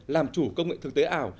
làm chủ công nghệ thực tế ảo